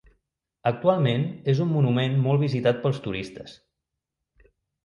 Actualment és un monument molt visitat pels turistes.